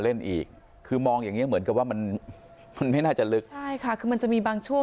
แล้วน้องอีกคนหนึ่งจะขึ้นปรากฏว่าต้องมาจมน้ำเสียชีวิตทั้งคู่